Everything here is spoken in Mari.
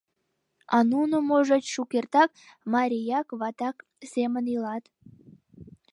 — А нуно, можыч, шукертак марияк-ватак семын илат?